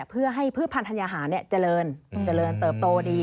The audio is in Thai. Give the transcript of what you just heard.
เพื่อให้พืชพันธัญญาหารเจริญเจริญเติบโตดี